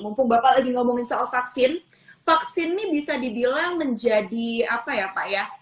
mumpung bapak lagi ngomongin soal vaksin vaksin ini bisa dibilang menjadi apa ya pak ya